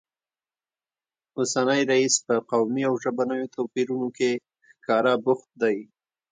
اوسنی رییس په قومي او ژبنیو توپیرونو کې ښکاره بوخت دی